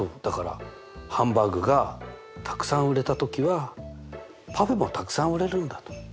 だからハンバーグがたくさん売れた時はパフェもたくさん売れるんだと。